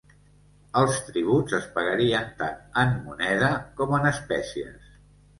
Els tributs es pagarien tant en moneda com en espècies.